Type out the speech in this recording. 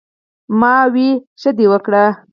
" ـ ما وې " ښۀ دې وکړۀ " ـ